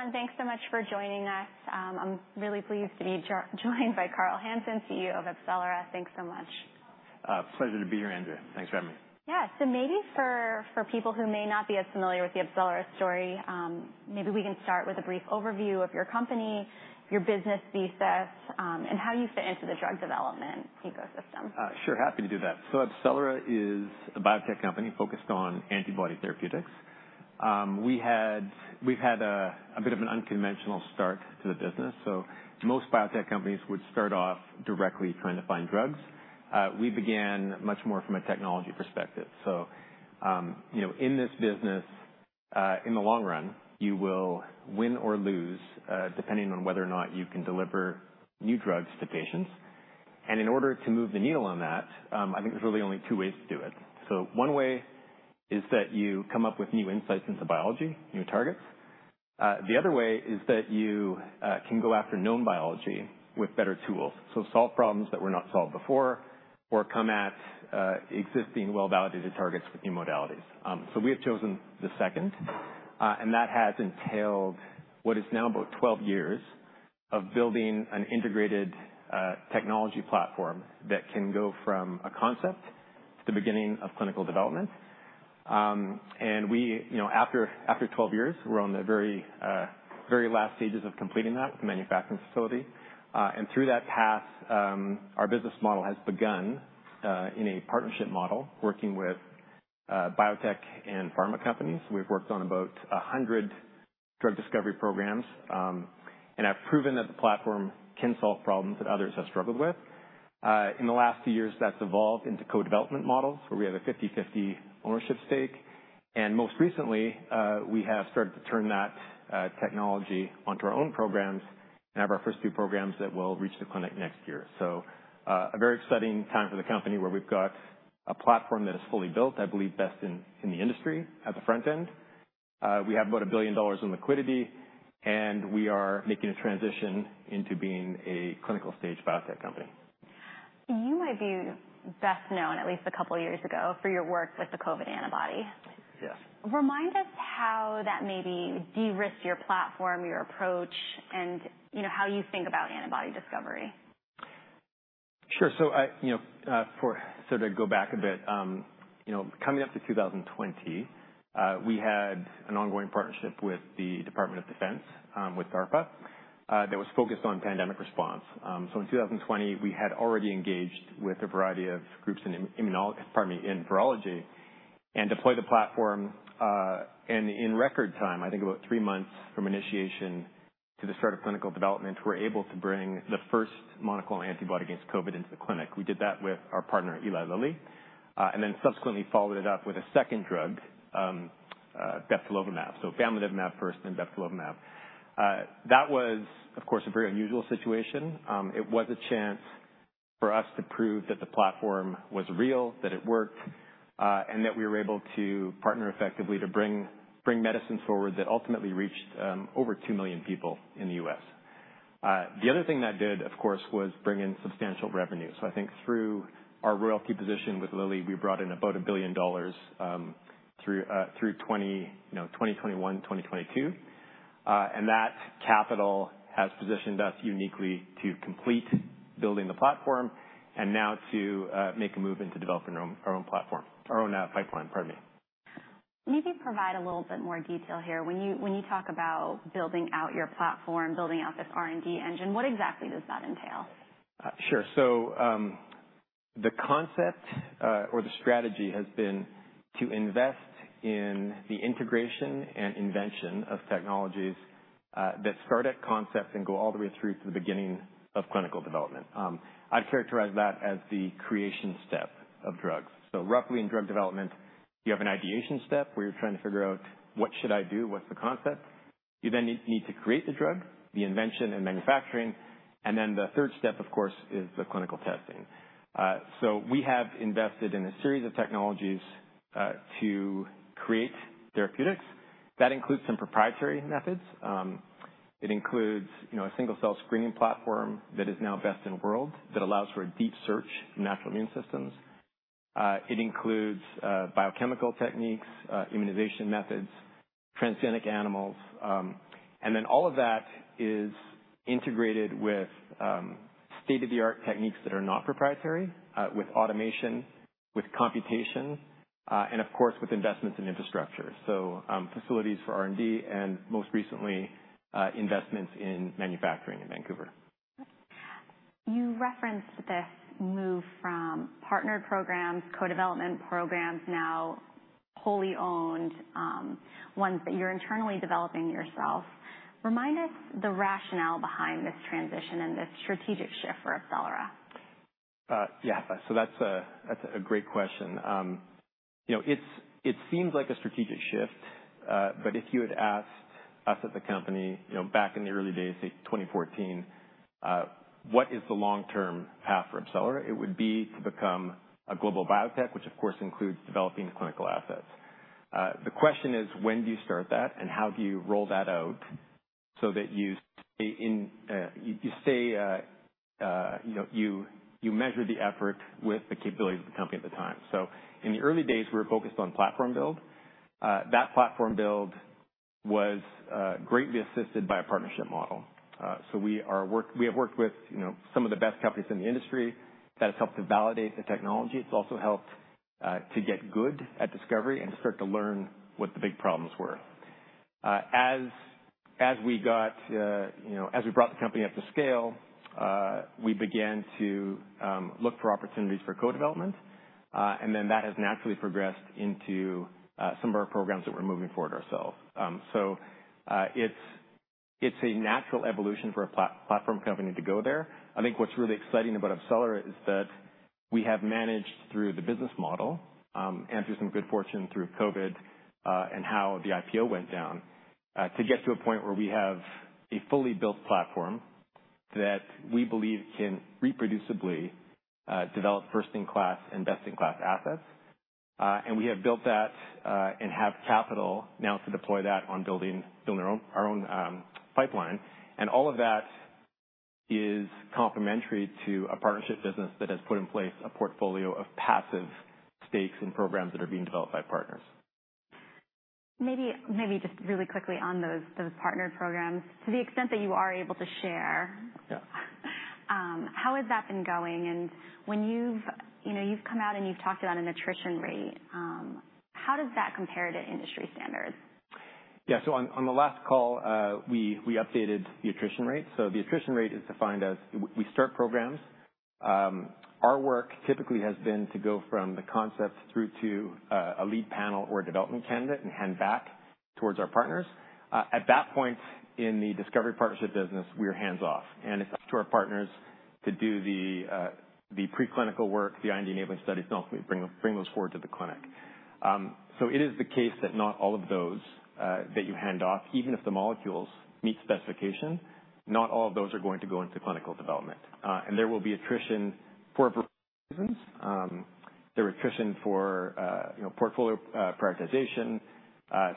Hey, everyone. Thanks so much for joining us. I'm really pleased to be joined by Carl Hansen, CEO of AbCellera. Thanks so much. Pleasure to be here, Andrea. Thanks for having me. Yeah. So maybe for people who may not be as familiar with the AbCellera story, maybe we can start with a brief overview of your company, your business thesis, and how you fit into the drug development ecosystem. Sure. Happy to do that. So AbCellera is a biotech company focused on antibody therapeutics. We've had a bit of an unconventional start to the business. So most biotech companies would start off directly trying to find drugs. We began much more from a technology perspective. So, you know, in this business, in the long run, you will win or lose, depending on whether or not you can deliver new drugs to patients. And in order to move the needle on that, I think there's really only two ways to do it. So one way is that you come up with new insights into biology, new targets. The other way is that you can go after known biology with better tools, so solve problems that were not solved before or come at existing well-validated targets with new modalities. So we have chosen the second, and that has entailed what is now about 12 years of building an integrated technology platform that can go from a concept to the beginning of clinical development. We, you know, after 12 years, we're on the very, very last stages of completing that with the manufacturing facility. Through that path, our business model has begun in a partnership model working with biotech and pharma companies. We've worked on about 100 drug discovery programs, and have proven that the platform can solve problems that others have struggled with. In the last two years, that's evolved into co-development models where we have a 50/50 ownership stake. Most recently, we have started to turn that technology onto our own programs and have our first two programs that will reach the clinic next year. So, a very exciting time for the company where we've got a platform that is fully built, I believe, best in the industry at the front end. We have about $1 billion in liquidity, and we are making a transition into being a clinical-stage biotech company. You might be best known, at least a couple of years ago, for your work with the COVID antibody. Yes. Remind us how that maybe de-risked your platform, your approach, and, you know, how you think about antibody discovery. Sure. So, you know, for so to go back a bit, you know, coming up to 2020, we had an ongoing partnership with the Department of Defense, with DARPA, that was focused on pandemic response. So in 2020, we had already engaged with a variety of groups in immunology—pardon me, in virology—and deployed the platform, and in record time, I think about three months from initiation to the start of clinical development, we were able to bring the first monoclonal antibody against COVID into the clinic. We did that with our partner, Eli Lilly, and then subsequently followed it up with a second drug, bebtelovimab. So bamlanivimab first, then bebtelovimab. That was, of course, a very unusual situation. It was a chance for us to prove that the platform was real, that it worked, and that we were able to partner effectively to bring medicines forward that ultimately reached over 2 million people in the U.S. The other thing that did, of course, was bring in substantial revenue. So I think through our royalty position with Lilly, we brought in about $1 billion through 2020, you know, 2021, 2022. And that capital has positioned us uniquely to complete building the platform and now to make a move into developing our own platform, our own pipeline. Pardon me. Maybe provide a little bit more detail here. When you talk about building out your platform, building out this R&D engine, what exactly does that entail? Sure. So, the concept, or the strategy has been to invest in the integration and invention of technologies that start at concept and go all the way through to the beginning of clinical development. I'd characterize that as the creation step of drugs. So roughly in drug development, you have an ideation step where you're trying to figure out what should I do, what's the concept. You then need to create the drug, the invention and manufacturing. And then the third step, of course, is the clinical testing. So we have invested in a series of technologies to create therapeutics. That includes some proprietary methods. It includes, you know, a single-cell screening platform that is now best in the world that allows for a deep search in natural immune systems. It includes biochemical techniques, immunization methods, transgenic animals. And then all of that is integrated with state-of-the-art techniques that are not proprietary, with automation, with computation, and of course, with investments in infrastructure. So, facilities for R&D and most recently, investments in manufacturing in Vancouver. You referenced this move from partnered programs, co-development programs, now wholly owned, ones that you're internally developing yourself. Remind us the rationale behind this transition and this strategic shift for AbCellera. Yeah. So that's a, that's a great question. You know, it's, it seems like a strategic shift, but if you had asked us at the company, you know, back in the early days, say 2014, what is the long-term path for AbCellera, it would be to become a global biotech, which of course includes developing clinical assets. The question is, when do you start that and how do you roll that out so that you stay in, you stay, you know, you measure the effort with the capabilities of the company at the time. So in the early days, we were focused on platform build. That platform build was greatly assisted by a partnership model. So we have worked with, you know, some of the best companies in the industry that has helped to validate the technology. It's also helped to get good at discovery and to start to learn what the big problems were. As we got, you know, as we brought the company up to scale, we began to look for opportunities for co-development. And then that has naturally progressed into some of our programs that we're moving forward ourselves. So, it's a natural evolution for a platform company to go there. I think what's really exciting about AbCellera is that we have managed through the business model, and through some good fortune through COVID, and how the IPO went down, to get to a point where we have a fully built platform that we believe can reproducibly develop first-in-class and best-in-class assets. And we have built that, and have capital now to deploy that on building our own pipeline. All of that is complementary to a partnership business that has put in place a portfolio of passive stakes and programs that are being developed by partners. Maybe, maybe just really quickly on those, those partnered programs, to the extent that you are able to share. Yeah. How has that been going? And when you've, you know, you've come out and you've talked about an attrition rate, how does that compare to industry standards? Yeah. So on the last call, we updated the attrition rate. So the attrition rate is defined as we start programs. Our work typically has been to go from the concept through to a lead panel or a development candidate and hand back towards our partners. At that point in the discovery partnership business, we are hands-off, and it's up to our partners to do the preclinical work, the IND enabling studies, and ultimately bring those forward to the clinic. So it is the case that not all of those that you hand off, even if the molecules meet specification, not all of those are going to go into clinical development. And there will be attrition for various reasons. There are attrition for, you know, portfolio prioritization.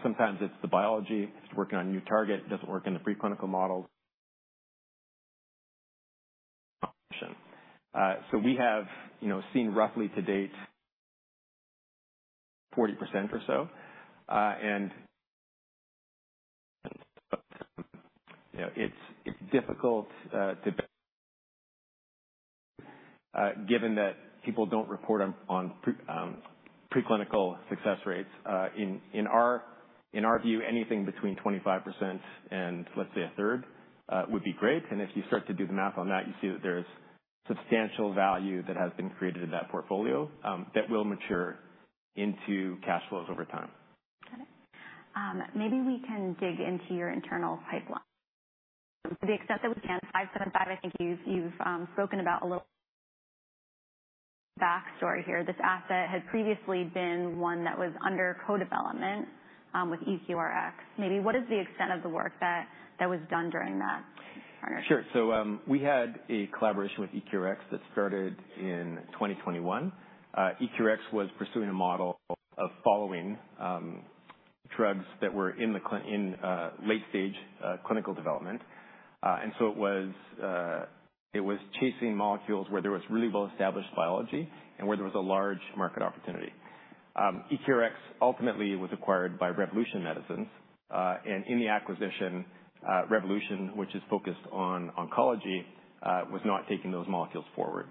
Sometimes it's the biology. If it's working on a new target, it doesn't work in the preclinical model. So we have, you know, seen roughly to date 40% or so. And, you know, it's difficult to, given that people don't report on preclinical success rates. In our view, anything between 25% and let's say a third would be great. And if you start to do the math on that, you see that there's substantial value that has been created in that portfolio, that will mature into cash flows over time. Okay. Maybe we can dig into your internal pipeline to the extent that we can. 575, I think you've spoken about a little backstory here. This asset had previously been one that was under co-development with EQRx. Maybe what is the extent of the work that was done during that partnership? Sure. So, we had a collaboration with EQRx that started in 2021. EQRx was pursuing a model of following drugs that were in the clinic in late-stage clinical development. And so it was chasing molecules where there was really well-established biology and where there was a large market opportunity. EQRx ultimately was acquired by Revolution Medicines. And in the acquisition, Revolution, which is focused on oncology, was not taking those molecules forward.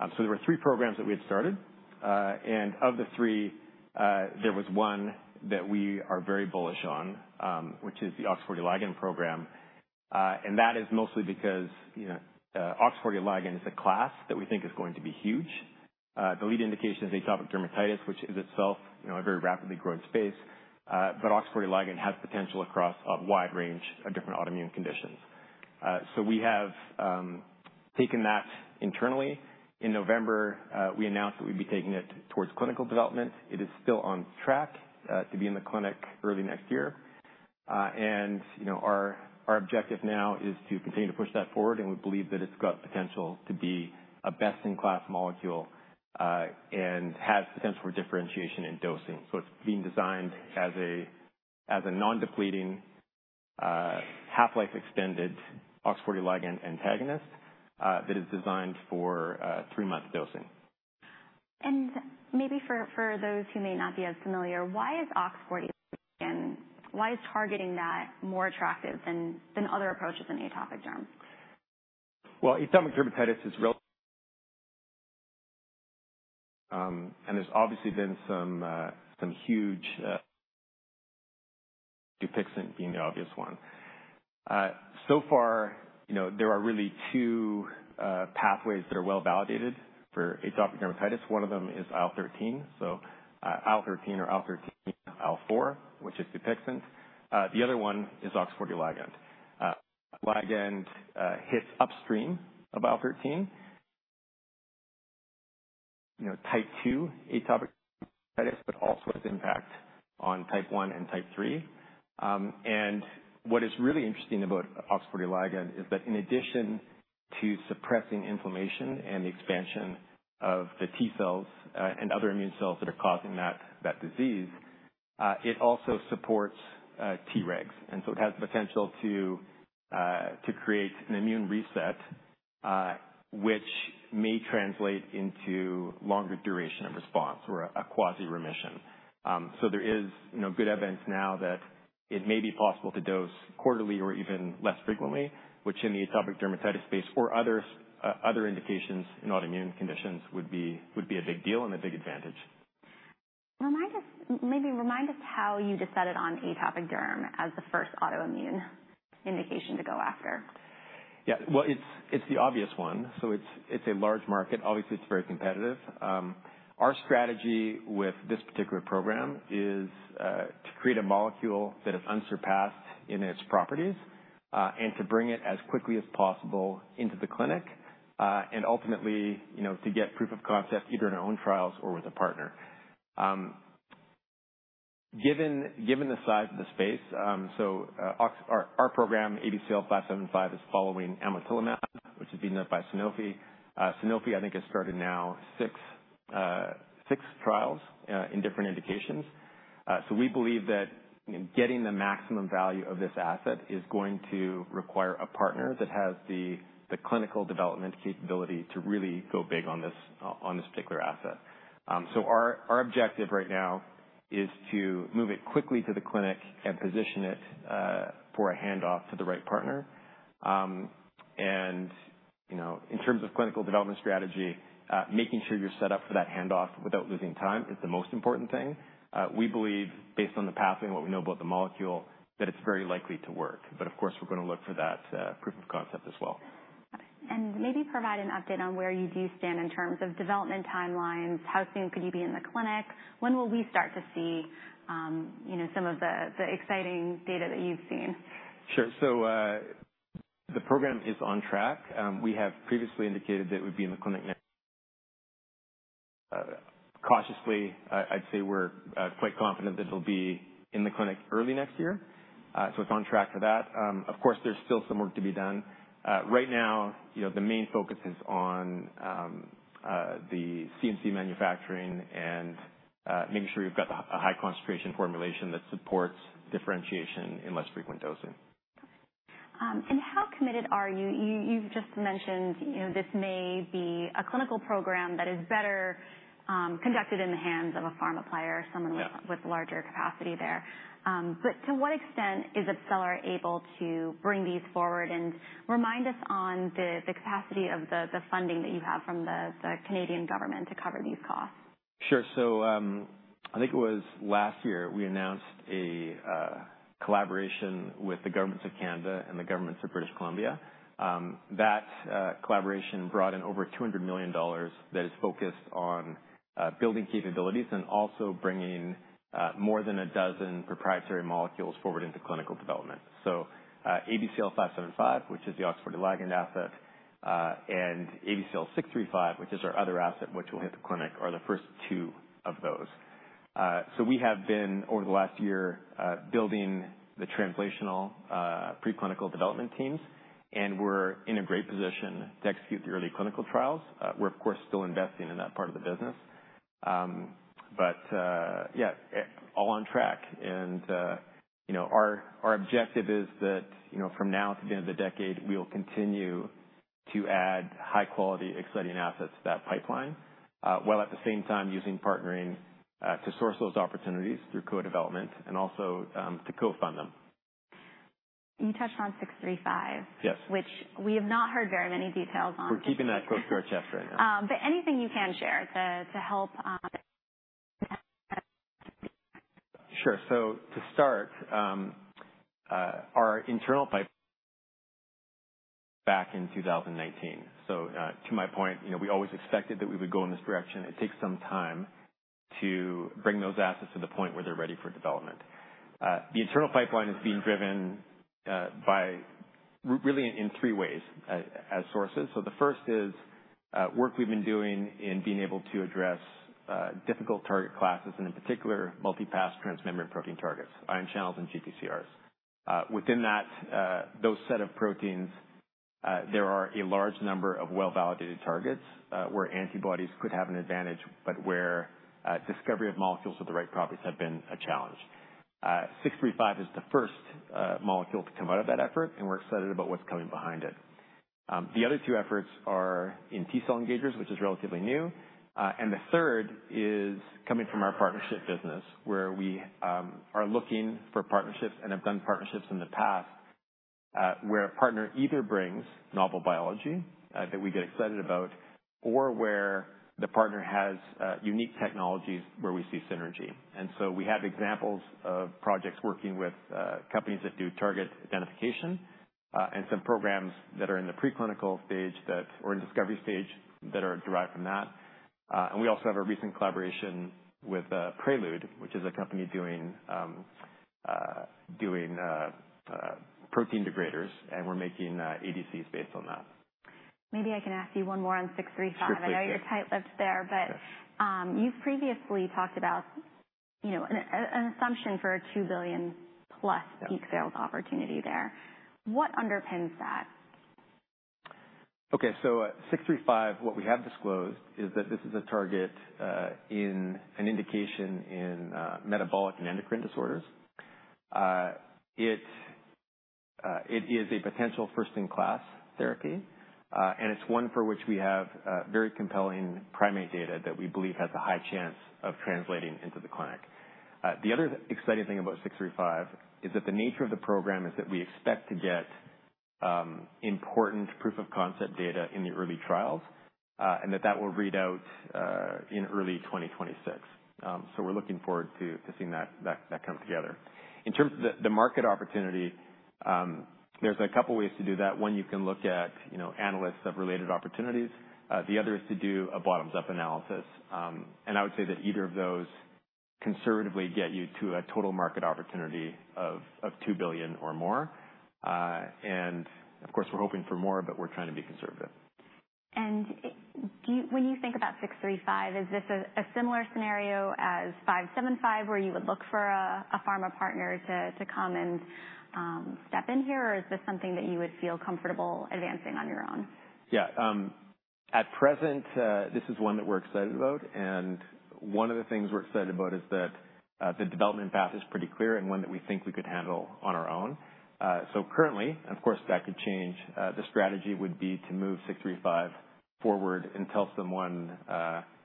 So there were three programs that we had started. And of the three, there was one that we are very bullish on, which is the OX40 ligand program. And that is mostly because, you know, OX40 ligand is a class that we think is going to be huge. The lead indication is atopic dermatitis, which is itself, you know, a very rapidly growing space. But OX40L has potential across a wide range of different autoimmune conditions. So we have taken that internally. In November, we announced that we'd be taking it towards clinical development. It is still on track to be in the clinic early next year. And, you know, our objective now is to continue to push that forward, and we believe that it's got potential to be a best-in-class molecule, and has potential for differentiation in dosing. So it's being designed as a non-depleting, half-life extended OX40L antagonist that is designed for three-month dosing. Maybe for those who may not be as familiar, why is OX40 ligand? Why is targeting that more attractive than other approaches in atopic derm? Well, atopic dermatitis is relevant. There's obviously been some huge, Dupixent being the obvious one. So far, you know, there are really two pathways that are well-validated for atopic dermatitis. One of them is IL-13. So, IL-13 or IL-4, which is Dupixent. The other one is OX40L. OX40L hits upstream of IL-13, you know, type 2 atopic dermatitis, but also has impact on type 1 and type 3. What is really interesting about OX40L is that in addition to suppressing inflammation and the expansion of the T-cells, and other immune cells that are causing that disease, it also supports T-regs. So it has the potential to create an immune reset, which may translate into longer duration of response or a quasi-remission. There is, you know, good evidence now that it may be possible to dose quarterly or even less frequently, which in the atopic dermatitis space or other, other indications in autoimmune conditions would be, would be a big deal and a big advantage. Remind us, maybe remind us how you decided on atopic derm as the first autoimmune indication to go after? Yeah. Well, it's the obvious one. So it's a large market. Obviously, it's very competitive. Our strategy with this particular program is to create a molecule that is unsurpassed in its properties, and to bring it as quickly as possible into the clinic, and ultimately, you know, to get proof of concept either in our own trials or with a partner. Given the size of the space, so our program, ABCL575, is following amlitelimab, which is being led by Sanofi. Sanofi, I think, has started now six trials in different indications. So we believe that getting the maximum value of this asset is going to require a partner that has the clinical development capability to really go big on this particular asset. So our objective right now is to move it quickly to the clinic and position it for a handoff to the right partner. You know, in terms of clinical development strategy, making sure you're set up for that handoff without losing time is the most important thing. We believe, based on the pathway and what we know about the molecule, that it's very likely to work. But of course, we're going to look for that proof of concept as well. Maybe provide an update on where you do stand in terms of development timelines. How soon could you be in the clinic? When will we start to see, you know, some of the exciting data that you've seen? Sure. So, the program is on track. We have previously indicated that it would be in the clinic next. Cautiously, I, I'd say we're quite confident that it'll be in the clinic early next year. So it's on track for that. Of course, there's still some work to be done. Right now, you know, the main focus is on the CMC manufacturing and making sure we've got the high concentration formulation that supports differentiation in less frequent dosing. How committed are you? You, you've just mentioned, you know, this may be a clinical program that is better conducted in the hands of a pharma player, someone with larger capacity there. But to what extent is AbCellera able to bring these forward and remind us on the capacity of the funding that you have from the Canadian government to cover these costs? Sure. So, I think it was last year we announced a collaboration with the governments of Canada and the governments of British Columbia. That collaboration brought in over $200 million that is focused on building capabilities and also bringing more than a dozen proprietary molecules forward into clinical development. So, ABCL575, which is the OX40L asset, and ABCL635, which is our other asset, which will hit the clinic, are the first two of those. So we have been over the last year building the translational preclinical development teams, and we're in a great position to execute the early clinical trials. We're, of course, still investing in that part of the business. But yeah, all on track. You know, our objective is that, you know, from now to the end of the decade, we'll continue to add high-quality, exciting assets to that pipeline, while at the same time using partnering to source those opportunities through co-development and also to co-fund them. You touched on 635. Yes. Which we have not heard very many details on. We're keeping that close to our chest right now. But anything you can share to help? Sure. So to start, our internal pipeline back in 2019. So, to my point, you know, we always expected that we would go in this direction. It takes some time to bring those assets to the point where they're ready for development. The internal pipeline is being driven by really in three ways, as sources. So the first is work we've been doing in being able to address difficult target classes and in particular, multi-path transmembrane protein targets, ion channels, and GPCRs. Within that, those set of proteins, there are a large number of well-validated targets, where antibodies could have an advantage, but where discovery of molecules with the right properties have been a challenge. 635 is the first molecule to come out of that effort, and we're excited about what's coming behind it. The other two efforts are in T cell engagers, which is relatively new. The third is coming from our partnership business, where we are looking for partnerships and have done partnerships in the past, where a partner either brings novel biology that we get excited about, or where the partner has unique technologies where we see synergy. And so we have examples of projects working with companies that do target identification, and some programs that are in the preclinical stage or in discovery stage that are derived from that. And we also have a recent collaboration with Prelude, which is a company doing protein degraders, and we're making ADCs based on that. Maybe I can ask you one more on 635. I know you're tight-lipped there, but you've previously talked about, you know, an assumption for a $2 billion+ peak sales opportunity there. What underpins that? Okay. So, 635, what we have disclosed is that this is a target in an indication in metabolic and endocrine disorders. It is a potential first-in-class therapy, and it's one for which we have very compelling primate data that we believe has a high chance of translating into the clinic. The other exciting thing about 635 is that the nature of the program is that we expect to get important proof of concept data in the early trials, and that will read out in early 2026. So we're looking forward to seeing that come together. In terms of the market opportunity, there's a couple of ways to do that. One, you can look at, you know, analysts of related opportunities. The other is to do a bottoms-up analysis. I would say that either of those conservatively get you to a total market opportunity of $2 billion or more. Of course, we're hoping for more, but we're trying to be conservative. Do you, when you think about 635, is this a similar scenario as 575 where you would look for a pharma partner to come and step in here, or is this something that you would feel comfortable advancing on your own? Yeah. At present, this is one that we're excited about. And one of the things we're excited about is that, the development path is pretty clear and one that we think we could handle on our own. So currently, and of course, that could change, the strategy would be to move 635 forward until someone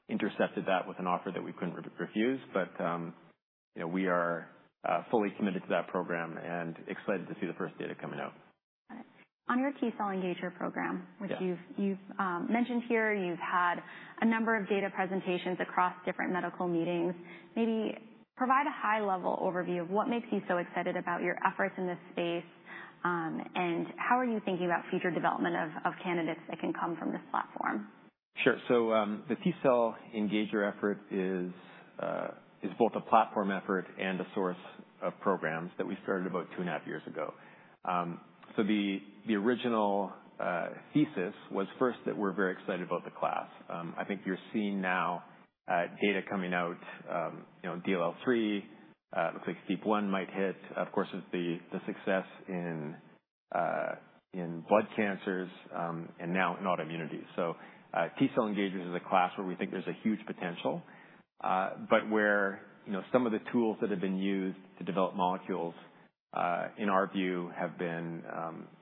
intercepted that with an offer that we couldn't refuse. But, you know, we are fully committed to that program and excited to see the first data coming out. On your T-cell engager program, which you've mentioned here, you've had a number of data presentations across different medical meetings. Maybe provide a high-level overview of what makes you so excited about your efforts in this space, and how are you thinking about future development of candidates that can come from this platform? Sure. So, the T-cell engager effort is both a platform effort and a source of programs that we started about 2.5 years ago. So the original thesis was first that we're very excited about the class. I think you're seeing now data coming out, you know, DLL3 looks like step one might hit. Of course, there's the success in blood cancers, and now in autoimmunity. So, T cell engagers is a class where we think there's a huge potential, but where, you know, some of the tools that have been used to develop molecules, in our view have been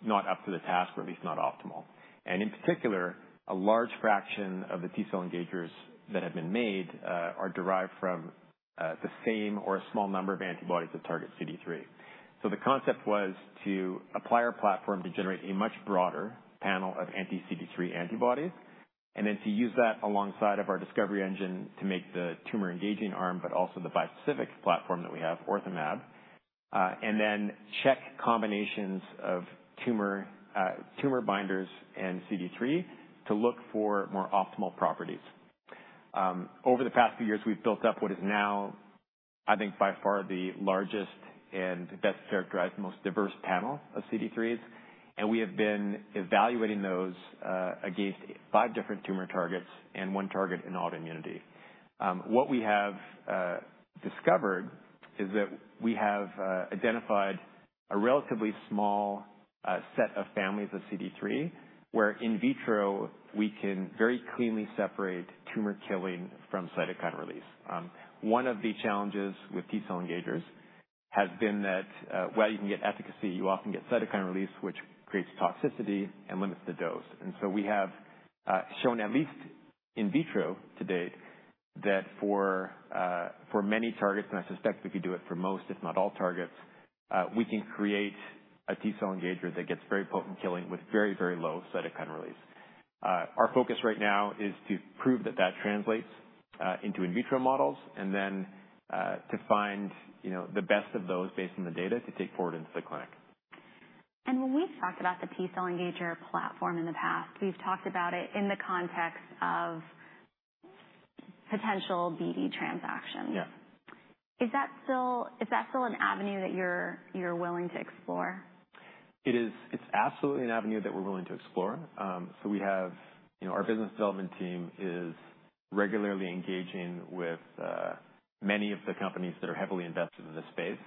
not up to the task or at least not optimal. And in particular, a large fraction of the T-cell engagers that have been made are derived from the same or a small number of antibodies that target CD3. So the concept was to apply our platform to generate a much broader panel of anti-CD3 antibodies and then to use that alongside of our discovery engine to make the tumor-engaging arm, but also the bispecific platform that we have, OrthoMab, and then check combinations of tumor binders and CD3 to look for more optimal properties. Over the past few years, we've built up what is now, I think, by far the largest and best characterized, most diverse panel of CD3s, and we have been evaluating those against five different tumor targets and one target in autoimmunity. What we have discovered is that we have identified a relatively small set of families of CD3 where in vitro we can very cleanly separate tumor killing from cytokine release. One of the challenges with T-cell engagers has been that, while you can get efficacy, you often get cytokine release, which creates toxicity and limits the dose. And so we have shown at least in vitro to date that for many targets, and I suspect we could do it for most, if not all targets, we can create a T-cell engager that gets very potent killing with very, very low cytokine release. Our focus right now is to prove that that translates into in vitro models and then to find, you know, the best of those based on the data to take forward into the clinic. When we've talked about the T-cell engager platform in the past, we've talked about it in the context of potential BD transactions. Yeah. Is that still an avenue that you're willing to explore? It is. It's absolutely an avenue that we're willing to explore. So we have, you know, our business development team is regularly engaging with many of the companies that are heavily invested in this space.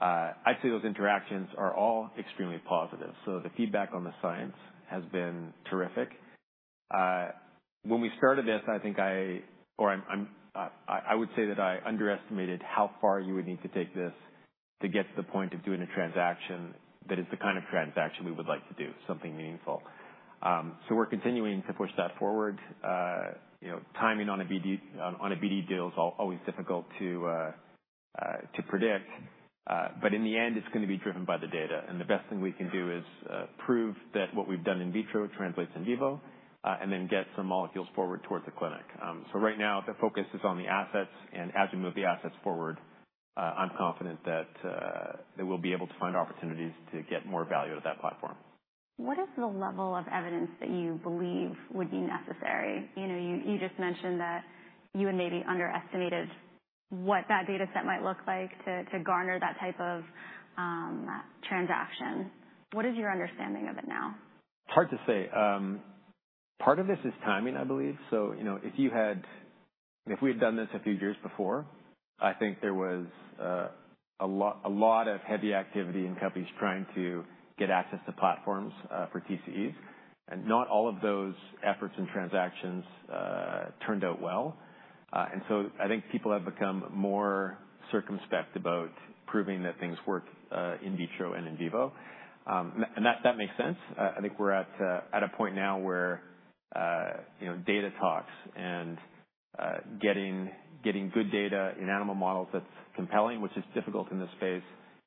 I'd say those interactions are all extremely positive. So the feedback on the science has been terrific. When we started this, I think I would say that I underestimated how far you would need to take this to get to the point of doing a transaction that is the kind of transaction we would like to do, something meaningful. So we're continuing to push that forward. You know, timing on a BD, on a BD deal is always difficult to predict. But in the end, it's going to be driven by the data. The best thing we can do is prove that what we've done in vitro translates in vivo, and then get some molecules forward towards the clinic. So right now, the focus is on the assets, and as we move the assets forward, I'm confident that we'll be able to find opportunities to get more value out of that platform. What is the level of evidence that you believe would be necessary? You know, you, you just mentioned that you had maybe underestimated what that data set might look like to, to garner that type of, transaction. What is your understanding of it now? It's hard to say. Part of this is timing, I believe. So, you know, if you had, if we had done this a few years before, I think there was, a lot, a lot of heavy activity in companies trying to get access to platforms, for TCEs. And not all of those efforts and transactions, turned out well. And so I think people have become more circumspect about proving that things work, in vitro and in vivo. And that, that makes sense. I think we're at, at a point now where, you know, data talks and, getting, getting good data in animal models that's compelling, which is difficult in this space,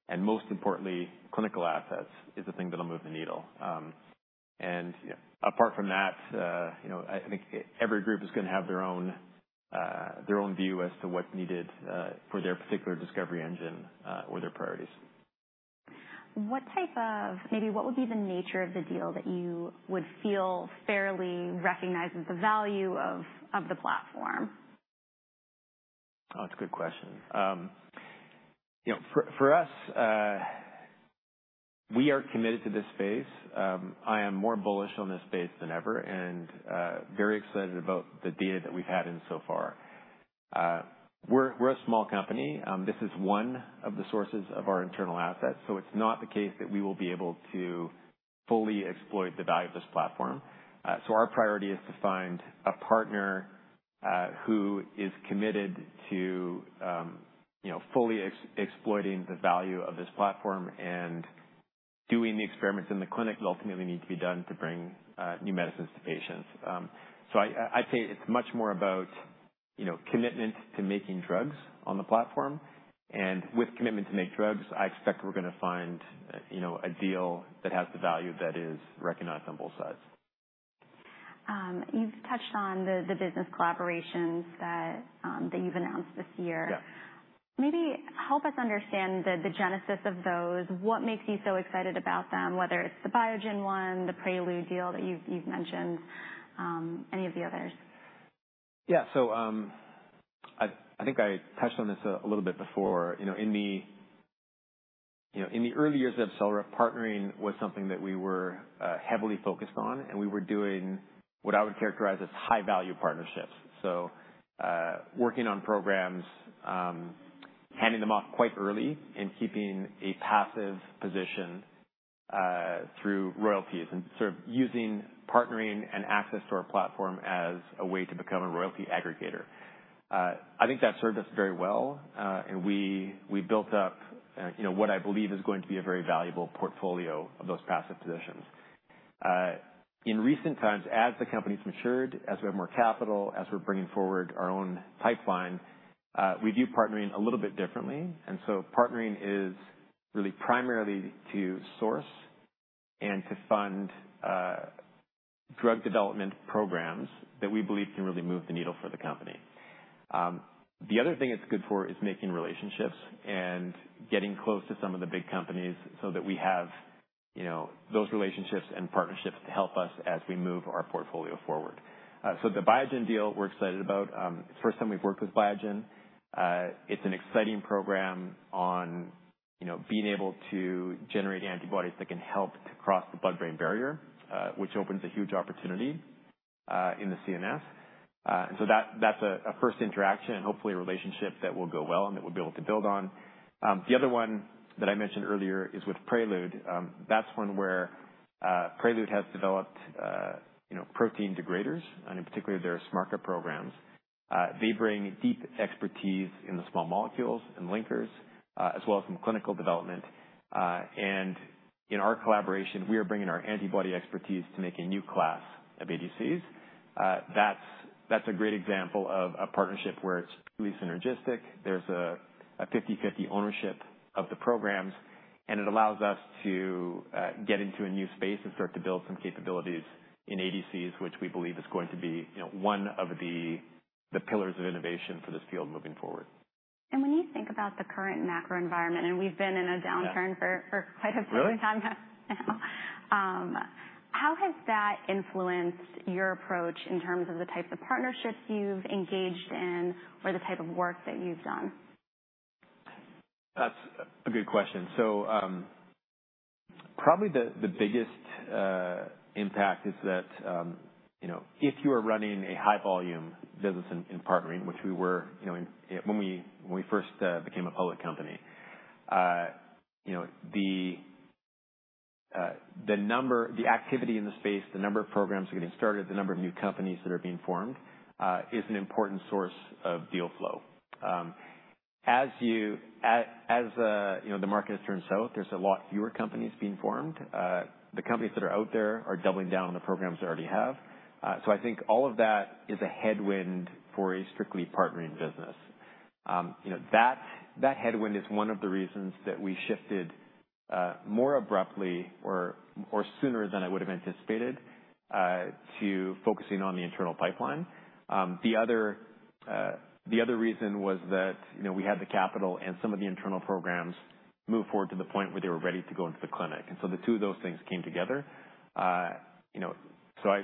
and most importantly, clinical assets is the thing that'll move the needle. You know, apart from that, you know, I think every group is going to have their own, their own view as to what's needed for their particular discovery engine or their priorities. What type of, maybe what would be the nature of the deal that you would feel fairly recognizes the value of the platform? Oh, it's a good question. You know, for us, we are committed to this space. I am more bullish on this space than ever and very excited about the data that we've had in so far. We're a small company. This is one of the sources of our internal assets. So it's not the case that we will be able to fully exploit the value of this platform. So our priority is to find a partner who is committed to, you know, fully exploiting the value of this platform and doing the experiments in the clinic that ultimately need to be done to bring new medicines to patients. So I, I'd say it's much more about, you know, commitment to making drugs on the platform. With commitment to make drugs, I expect we're going to find, you know, a deal that has the value that is recognized on both sides. You've touched on the business collaborations that you've announced this year. Yeah. Maybe help us understand the genesis of those. What makes you so excited about them, whether it's the Biogen one, the Prelude deal that you've mentioned, any of the others? Yeah. So, I, I think I touched on this a little bit before. You know, in the, you know, in the early years of AbCellera, partnering was something that we were heavily focused on, and we were doing what I would characterize as high-value partnerships. So, working on programs, handing them off quite early and keeping a passive position through royalties and sort of using partnering and access to our platform as a way to become a royalty aggregator. I think that served us very well. And we, we built up, you know, what I believe is going to be a very valuable portfolio of those passive positions. In recent times, as the company's matured, as we have more capital, as we're bringing forward our own pipeline, we view partnering a little bit differently. So partnering is really primarily to source and to fund drug development programs that we believe can really move the needle for the company. The other thing it's good for is making relationships and getting close to some of the big companies so that we have, you know, those relationships and partnerships to help us as we move our portfolio forward. So the Biogen deal we're excited about, it's the first time we've worked with Biogen. It's an exciting program on, you know, being able to generate antibodies that can help to cross the blood-brain barrier, which opens a huge opportunity in the CNS. And so that, that's a first interaction and hopefully a relationship that will go well and that we'll be able to build on. The other one that I mentioned earlier is with Prelude. That's one where Prelude has developed, you know, protein degraders, and in particular, there are SMARCA programs. They bring deep expertise in the small molecules and linkers, as well as some clinical development. And in our collaboration, we are bringing our antibody expertise to make a new class of ADCs. That's, that's a great example of a partnership where it's truly synergistic. There's a 50/50 ownership of the programs, and it allows us to get into a new space and start to build some capabilities in ADCs, which we believe is going to be, you know, one of the pillars of innovation for this field moving forward. When you think about the current macro environment, and we've been in a downturn for quite a period of time now, how has that influenced your approach in terms of the types of partnerships you've engaged in or the type of work that you've done? That's a good question. So, probably the biggest impact is that, you know, if you are running a high-volume business in partnering, which we were, you know, in when we first became a public company, you know, the number, the activity in the space, the number of programs getting started, the number of new companies that are being formed, is an important source of deal flow. As you know, the market has turned south, there's a lot fewer companies being formed. The companies that are out there are doubling down on the programs they already have. So I think all of that is a headwind for a strictly partnering business. You know, that headwind is one of the reasons that we shifted, more abruptly or sooner than I would have anticipated, to focusing on the internal pipeline. The other, the other reason was that, you know, we had the capital and some of the internal programs move forward to the point where they were ready to go into the clinic. And so the two of those things came together. You know, so I,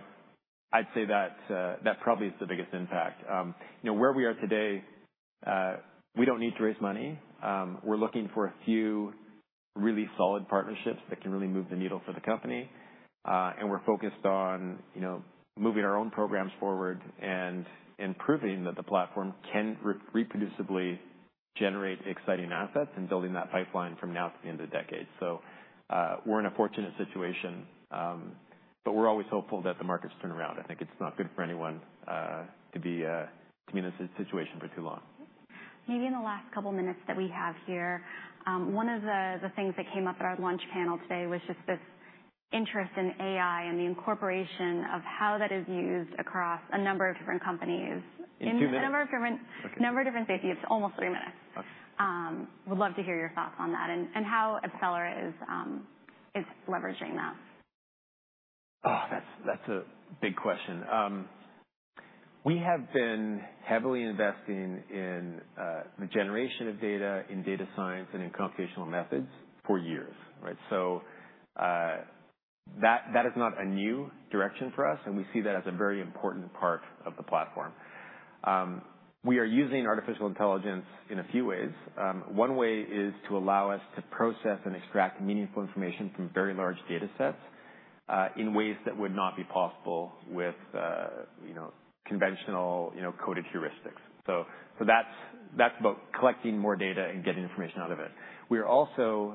I'd say that, that probably is the biggest impact. You know, where we are today, we don't need to raise money. We're looking for a few really solid partnerships that can really move the needle for the company. And we're focused on, you know, moving our own programs forward and, and proving that the platform can reproducibly generate exciting assets and building that pipeline from now to the end of the decade. So, we're in a fortunate situation, but we're always hopeful that the markets turn around. I think it's not good for anyone, to be, to be in this situation for too long. Maybe in the last couple of minutes that we have here, one of the things that came up at our lunch panel today was just this interest in AI and the incorporation of how that is used across a number of different companies. In 2 minutes? In a number of different spaces. It's almost 3 minutes. Okay. Would love to hear your thoughts on that and how AbCellera is leveraging that. Oh, that's a big question. We have been heavily investing in the generation of data in data science and in computational methods for years, right? So, that is not a new direction for us, and we see that as a very important part of the platform. We are using artificial intelligence in a few ways. One way is to allow us to process and extract meaningful information from very large data sets, in ways that would not be possible with, you know, conventional, you know, coded heuristics. So, that's about collecting more data and getting information out of it. We are also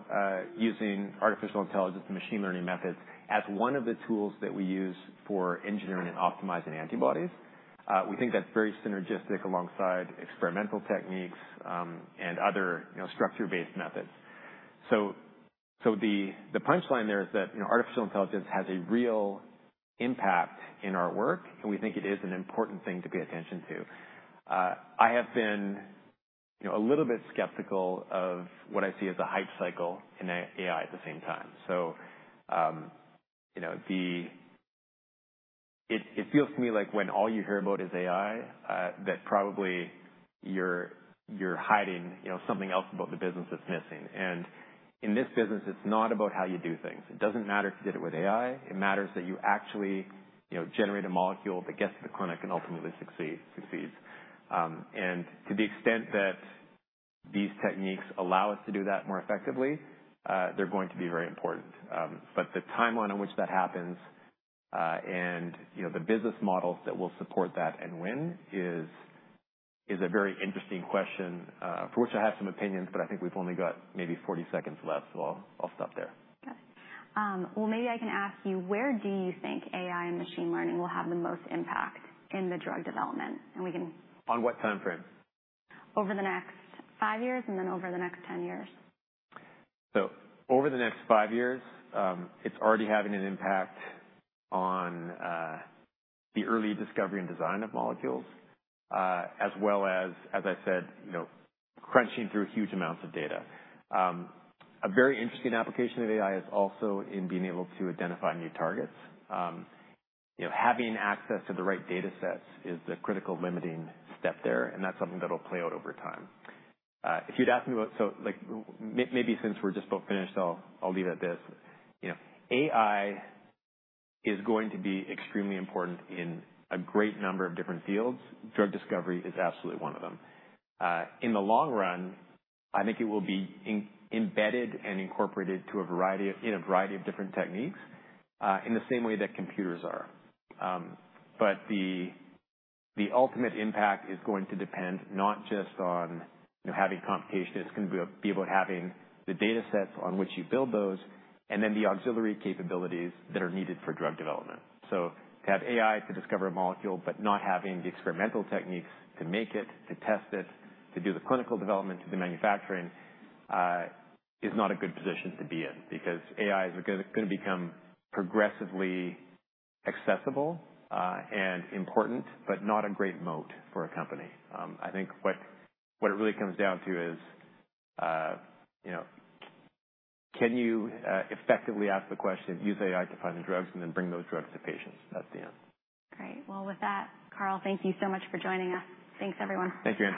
using artificial intelligence and machine learning methods as one of the tools that we use for engineering and optimizing antibodies. We think that's very synergistic alongside experimental techniques, and other, you know, structure-based methods. So, the punchline there is that, you know, artificial intelligence has a real impact in our work, and we think it is an important thing to pay attention to. I have been, you know, a little bit skeptical of what I see as a hype cycle in AI at the same time. So, you know, it feels to me like when all you hear about is AI, that probably you're hiding, you know, something else about the business that's missing. And in this business, it's not about how you do things. It doesn't matter if you did it with AI. It matters that you actually, you know, generate a molecule that gets to the clinic and ultimately succeeds. And to the extent that these techniques allow us to do that more effectively, they're going to be very important. but the timeline on which that happens, and, you know, the business models that will support that and win is a very interesting question, for which I have some opinions, but I think we've only got maybe 40 seconds left, so I'll stop there. Got it. Well, maybe I can ask you, where do you think AI and machine learning will have the most impact in the drug development? And we can. On what timeframe? Over the next 5 years and then over the next 10 years. So over the next five years, it's already having an impact on the early discovery and design of molecules, as well as, as I said, you know, crunching through huge amounts of data. A very interesting application of AI is also in being able to identify new targets. You know, having access to the right data sets is the critical limiting step there, and that's something that'll play out over time. If you'd ask me about, so like, maybe since we're just about finished, I'll leave it at this. You know, AI is going to be extremely important in a great number of different fields. Drug discovery is absolutely one of them. In the long run, I think it will be embedded and incorporated to a variety of, in a variety of different techniques, in the same way that computers are. The ultimate impact is going to depend not just on, you know, having computations. It's going to be about having the data sets on which you build those and then the auxiliary capabilities that are needed for drug development. So to have AI to discover a molecule but not having the experimental techniques to make it, to test it, to do the clinical development, to do manufacturing, is not a good position to be in because AI is going to become progressively accessible, and important, but not a great moat for a company. I think what it really comes down to is, you know, can you, effectively ask the question, use AI to find the drugs and then bring those drugs to patients at the end? Great. Well, with that, Carl, thank you so much for joining us. Thanks, everyone. Thank you.